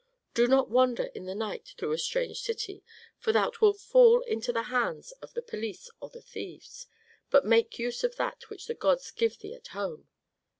Do not wander in the night through a strange city, for thou wilt fall into the hands of the police or of thieves, but make use of that which the gods give thee at home.